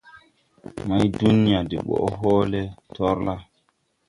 Maydunya de ɓɔʼ hɔɔlɛ tɔrlà.